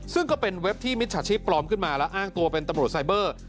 ซึ่งก็เป็นเว็บที่มิจฉาชีพปลอมขึ้นมาแล้วอ้างตัวเป็นตำรวจไซเบอร์